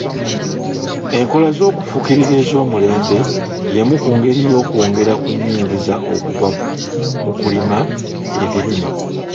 Enkola z'okufukirira ezoomulembe y'emu ku ngeri y'okwongera ku nnyingiza okuva mu kulima ebimera.